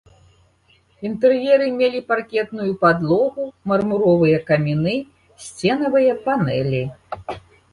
Інтэр'еры мелі паркетную падлогу, мармуровыя каміны, сценавыя панэлі.